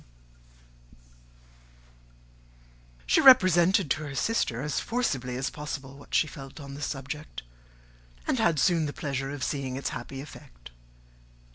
She represented to her sister, as forcibly as possible, what she felt on the subject, and had soon the pleasure of seeing its happy effect.